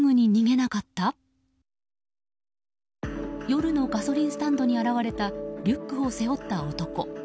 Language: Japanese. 夜のガソリンスタンドに現れたリュックを背負った男。